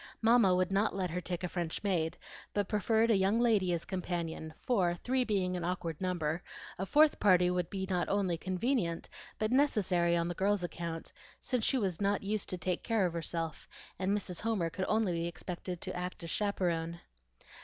Mamma would not let her take a French maid, but preferred a young lady as companion; for, three being an awkward number, a fourth party would be not only convenient, but necessary on the girl's account, since she was not used to take care of herself and Mrs. Homer could only be expected to act as chaperone.